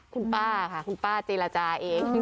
คุณป้าค่ะคุณป้าเจรจาเอง